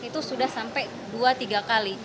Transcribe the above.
itu sudah sampai dua tiga kali